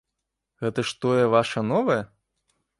Гэта ж тое ваша новае?